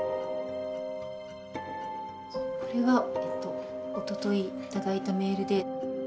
これは、おととい頂いたメールで。